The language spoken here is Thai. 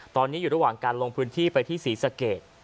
ตอนนี้อยู่ระหว่างการลงพื้นที่ไปที่ศรีสะเกด